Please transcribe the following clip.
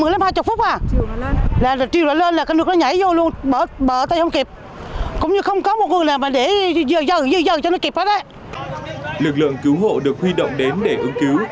lực lượng cứu hộ được huy động đến để ứng cứu